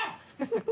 ・フフフ。